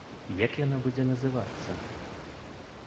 Як яна будзе называцца?